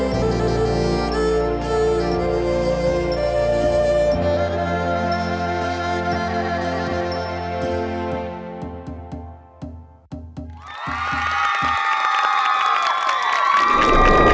สวัสดีครับสวัสดีครับ